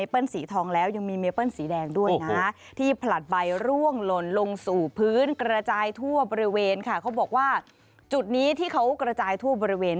ประมาณคืนนี้ที่เขากระจายทั่วบริเวณ